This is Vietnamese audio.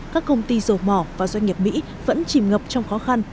các công ty dầu mỏ và doanh nghiệp mỹ vẫn chìm ngập trong khó khăn